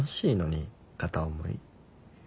今片思い。